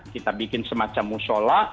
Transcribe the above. kita bikin semacam musyola